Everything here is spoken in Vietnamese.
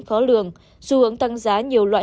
khó lường xu hướng tăng giá nhiều loại